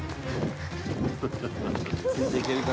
「ついて行けるか？